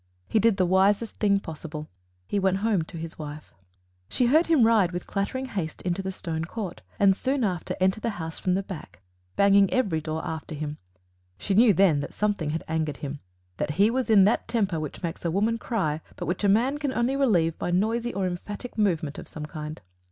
He did the wisest thing possible: he went home to his wife. She heard him ride with clattering haste into the stone court, and soon after enter the house from the back, banging every door after him. She knew then that something had angered him that he was in that temper which makes a woman cry, but which a man can only relieve by noisy or emphatic movement of some kind.